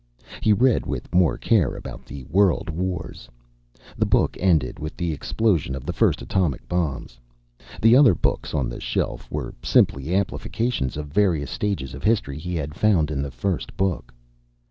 He read with more care about the World Wars. The book ended with the explosion of the first atom bombs. The other books on the shelf were simply amplifications of various stages of history he had found in the first book.